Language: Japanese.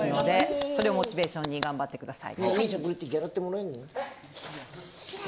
それをモチベーションに頑張ってください。